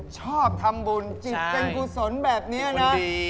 ชอบทำบุญจิตเป็นกุศลแบบนี้นะ